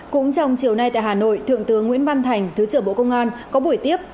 cũng trong chiều nay tại hà nội thượng tướng nguyễn văn thành thứ trưởng bộ công an có buổi tiếp